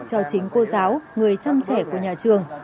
cho chính cô giáo người chăm trẻ của nhà trường